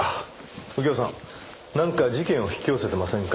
右京さんなんか事件を引き寄せてませんか？